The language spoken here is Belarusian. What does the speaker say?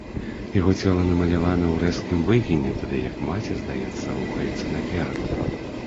Яго цела намалявана ў рэзкім выгіне, тады як маці, здаецца, рухаецца наперад.